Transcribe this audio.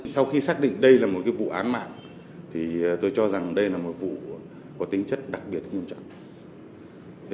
sau khi xác định đây là một vụ án mạng thì tôi cho rằng đây là một vụ có tính chất đặc biệt nghiêm trọng